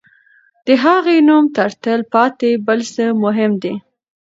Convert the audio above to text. د هغې نوم تر تل پاتې بل څه مهم دی.